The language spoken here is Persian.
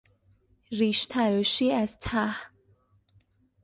ریشتراشی از ته